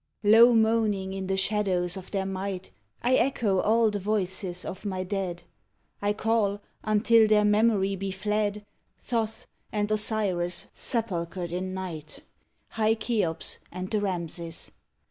Low moaning in the shadows of their might, I echo all the voices of my dead. I call, until their memory be fled, Thoth and Osiris sepulchred in night, High Cheops and the Ramses.